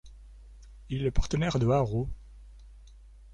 Il est le partenaire de Arrow.